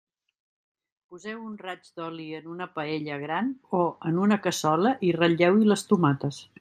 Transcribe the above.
Poseu un raig d'oli en una paella gran o en una cassola i ratlleu-hi les tomates.